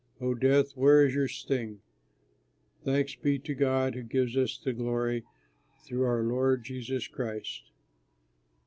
O death, where is your sting?" Thanks be to God who gives us the victory through our Lord Jesus Christ.